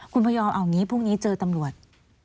คุณพระยอมเอางี้พรุ่งนี้เจอตำรวจ